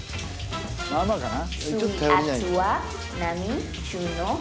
まあまあかな？